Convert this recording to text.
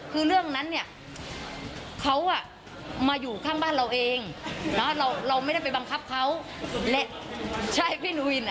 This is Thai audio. คือคือเรื่องนั้นเนี่ย